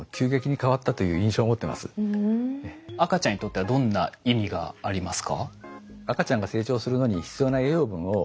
赤ちゃんにとってはどんな意味がありますか？